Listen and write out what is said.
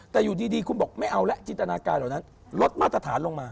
แต่อยู่ดีคุณบอกไม่เอาแล้วจินตนาการเหล่านั้นลดมาตรฐานลงมา